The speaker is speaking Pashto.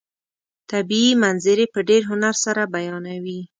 طبیعي منظرې په ډېر هنر سره بیانوي.